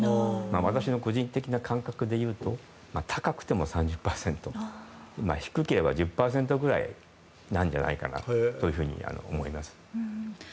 私の個人的な感覚でいうと高くても３０％、低ければ１０％ぐらいだと思います。